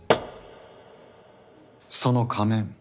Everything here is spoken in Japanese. その仮面